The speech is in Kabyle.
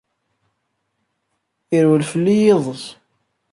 Irwel fell-i yiḍes.